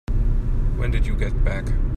When did you get back?